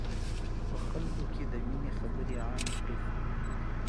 په خلکو د ميني خبري عامي کړی.